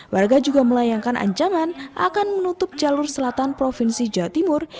warga juga melayangkan ancaman akan menutup jalur selatan provinsi jawa timur